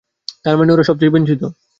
তার মানে ওরা সব চেয়ে বঞ্চিত।